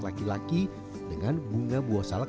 laki laki dengan bunga buah salak